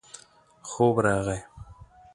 خوب راغی.